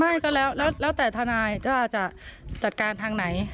ไม่ก็แล้วแล้วแต่ทนายว่าจะจัดการทางไหน